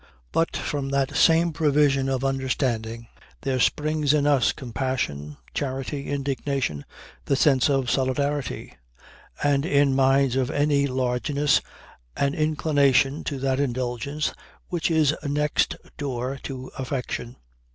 But from that same provision of understanding, there springs in us compassion, charity, indignation, the sense of solidarity; and in minds of any largeness an inclination to that indulgence which is next door to affection.